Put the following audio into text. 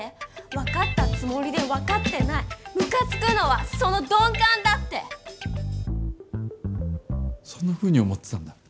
分かったつもりで分かってないムカつくのはその鈍感だってそんなふうに思ってたんだ。